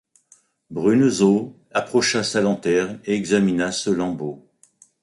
Bruneseau approcha sa lanterne et examina ce lambeau.